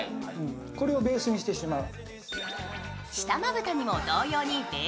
これをベースにしてしまう。